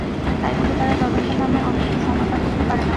তাই বলে তারা তদন্তের নামে অনন্ত সময় পার করতে পারে না।